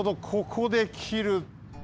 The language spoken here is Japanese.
ここできる。